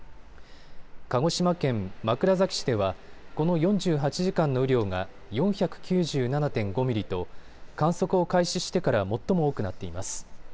鹿児島県枕崎市ではこの４８時間の雨量が４９７．５ミリと観測を開始してから最も多くなっています。